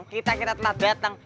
kita kita telah dateng